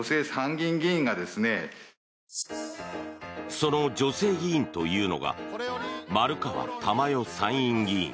その女性議員というのが丸川珠代参院議員。